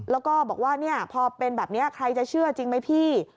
แล้วก็บอกว่าพอเป็นแบบนี้ใครจะเชื่อจริงไหมพี่